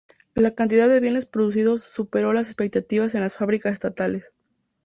La cantidad de bienes producidos superó las expectativas en las fábricas estatales.